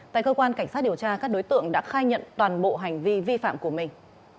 tại cơ quan cảnh sát điều tra các đối tượng đã khai nhận toàn bộ hành vi vi phạm của mình